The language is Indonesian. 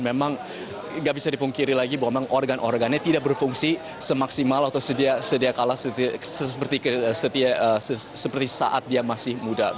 memang nggak bisa dipungkiri lagi bahwa memang organ organnya tidak berfungsi semaksimal atau sedia kalah seperti saat dia masih muda